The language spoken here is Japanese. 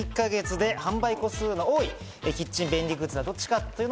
直近１か月で販売個数の多いキッチン便利グッズはどっちか？